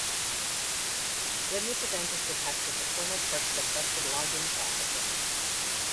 When this event is detected, the kernel starts the trusted login processing.